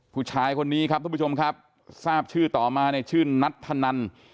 ผู้ชายคนนี้ครับทุกผู้ชมครับทราบชื่อต่อมาเนี่ยชื่อนัทธนัน